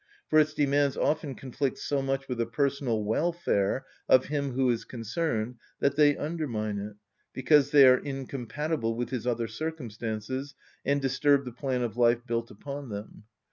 For its demands often conflict so much with the personal welfare of him who is concerned that they undermine it, because they are incompatible with his other circumstances, and disturb the plan of life built upon them.